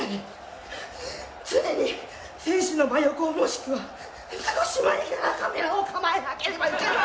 常に選手の真横もしくは少し前からカメラを構えなければいけない！